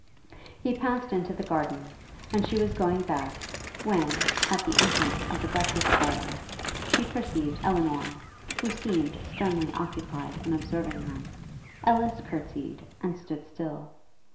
He passed into the garden, and she was going back, when, at the entrance of the breakfast parlour, she perceived Elinor, who seemed sternly occupied in observing them. Ellis courtsied, and stood still.